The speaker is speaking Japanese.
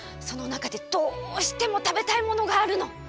そのなかでどうしてもたべたいものがあるの。